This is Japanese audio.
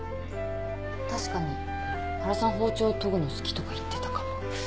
確かに原さん包丁研ぐの好きとか言ってたかも。